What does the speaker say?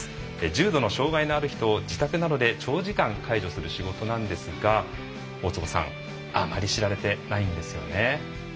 重度の障害のある人を自宅などで長時間介助する仕事なんですが、大坪さんあまり知られてないんですよね。